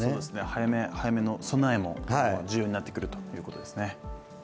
早め早めの備えも重要になってくるということですね。